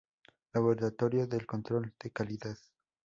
Laboratorio de Control de Calidad.